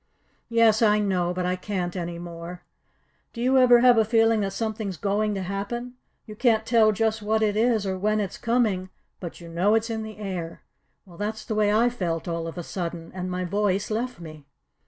"Yes, I know, but I can't any more. Do you ever have a feeling that something's going to happen? You can't tell just what it is or when it's coming, but you know it's in the air. Well, that's the way I felt all of a sudden, and my voice left me."